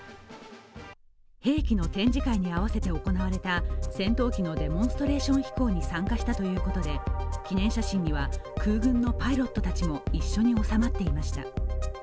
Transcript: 兵器の展示会に合わせて行われた戦闘機のデモンストレーション飛行に参加したということで記念写真には空軍のパイロットたちも一緒に収まっていました。